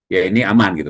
ya ini aman gitu